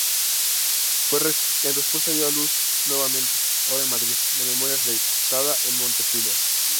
En respuesta dio a luz nuevamente, ahora en Madrid, la "Memoria" redactada en Montpellier.